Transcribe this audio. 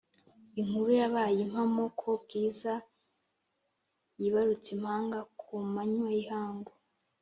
Inkuru yabaye impamo ko Bwiza yiarutse impanga ku manywa y’ihangu.